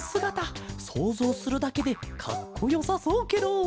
そうぞうするだけでかっこよさそうケロ。